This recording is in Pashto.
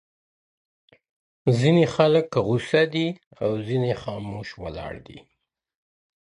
ځيني خلک غوسه دي او ځيني خاموش ولاړ دي